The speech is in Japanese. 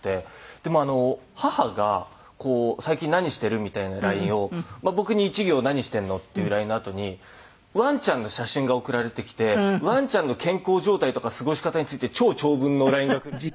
でもあの母が「最近何してる？」みたいなＬＩＮＥをまあ僕に１行「何してるの？」っていうＬＩＮＥのあとにワンちゃんの写真が送られてきてワンちゃんの健康状態とか過ごし方について超長文のＬＩＮＥがくるんですよ。